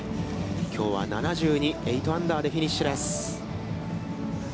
きょうは７２８アンダーでフィニッシュです。